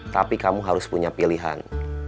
tapi kamu harus punya pilihan